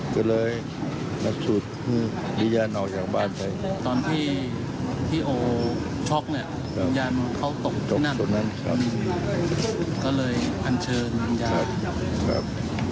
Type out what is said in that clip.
ก็เลยพันเชิญรุญญาณให้ไปสู่โภคดีนะครับ